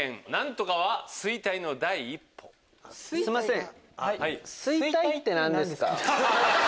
すいません。